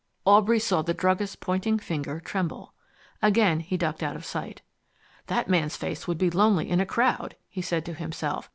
Aubrey saw the druggist's pointing finger tremble. Again he ducked out of sight. "That man's face would be lonely in a crowd," he said to himself.